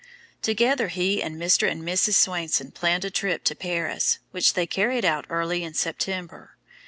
Together he and Mr. and Mrs. Swainson planned a trip to Paris, which they carried out early in September.